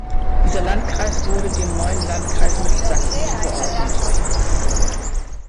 Dieser Landkreis wurde dem neuen Landkreis Mittelsachsen zugeordnet.